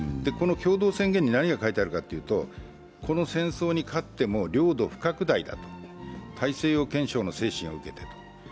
この共同宣言に何が書いてあるかというとこの戦争に勝っても領土不拡大だと、大西洋憲章の精神を受けてと。